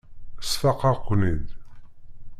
Sfaqeɣ-ken-id.